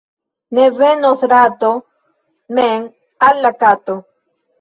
Ne venos rato mem al la kato.